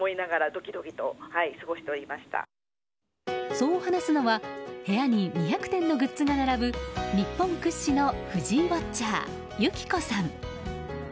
そう話すのは部屋に２００点のグッズが並ぶ日本屈指の藤井ウォッチャーゆきこさん。